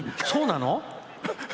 そうなの？